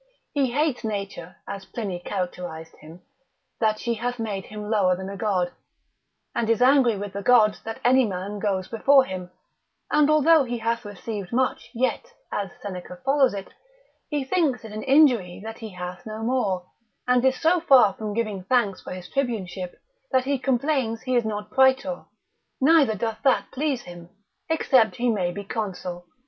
He hates nature (as Pliny characterised him) that she hath made him lower than a god, and is angry with the gods that any man goes before him; and although he hath received much, yet (as Seneca follows it) he thinks it an injury that he hath no more, and is so far from giving thanks for his tribuneship, that he complains he is not praetor, neither doth that please him, except he may be consul.